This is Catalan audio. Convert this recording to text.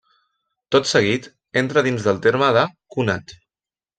Tot seguit, entra dins del terme de Conat.